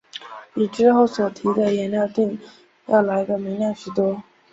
比之后所提的颜料靛要来得明亮许多。